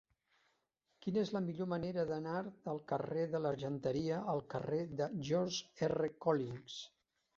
Quina és la millor manera d'anar del carrer de l'Argenteria al carrer de George R. Collins?